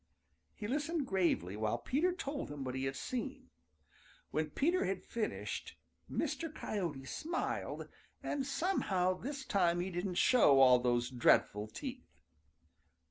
He listened gravely while Peter told him what he had seen. When Peter had finished, Mr. Coyote smiled, and somehow this time he didn't show all those dreadful teeth.